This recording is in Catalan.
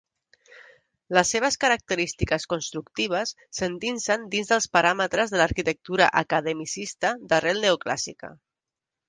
Les seves característiques constructives s'endinsen dins dels paràmetres de l'arquitectura academicista d'arrel neoclàssica.